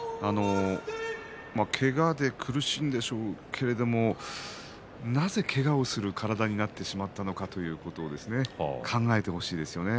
けがで苦しいんでしょうけれどもなぜ、けがをする体になってしまったかということを考えてほしいですね。